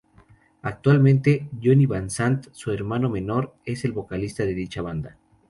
Actualmente, Johnny Van Zant, su hermano menor, es el vocalista de dicha banda.